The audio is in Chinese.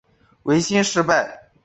维新事败。